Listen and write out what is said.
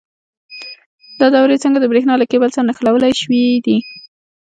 دا دورې څنګه د برېښنا له کیبل سره نښلول شوي دي؟